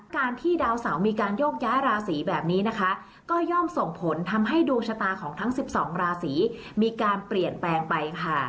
การที่ดาวเสามีการโยกย้ายราศีแบบนี้นะคะก็ย่อมส่งผลทำให้ดวงชะตาของทั้ง๑๒ราศีมีการเปลี่ยนแปลงไปค่ะ